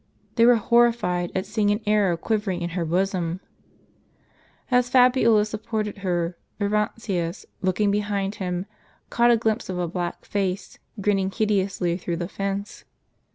They were liorri fied at seeing an arrow quivering in her bosom. As Fabiola supported her, Orontius, looking behind him, caught a glimpse of a black face grinning hideously through the fence.